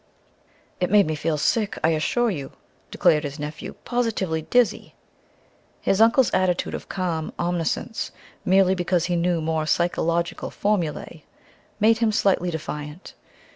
"It made me feel sick, I assure you," declared his nephew, "positively dizzy!" His uncle's attitude of calm omniscience, merely because he knew more psychological formulae, made him slightly defiant.